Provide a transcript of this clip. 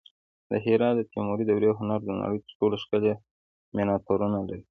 د هرات د تیموري دورې هنر د نړۍ تر ټولو ښکلي مینیاتورونه لري